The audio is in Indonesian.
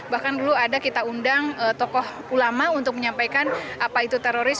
bahkan dulu ada kita undang tokoh ulama untuk menyampaikan apa itu teroris